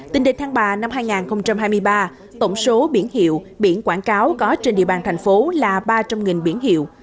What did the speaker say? tính đến tháng ba năm hai nghìn hai mươi ba tổng số biển hiệu biển quảng cáo có trên địa bàn thành phố là ba trăm linh biển hiệu